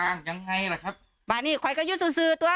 อ่าอย่างไงหละครับมานี่คอยกระยุดซื้อซื้อตัว